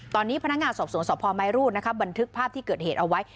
ตอนนี้พนักงานสอบสวนสพไม้รูดบันทึกภาพที่เกิดเหตุเอาไว้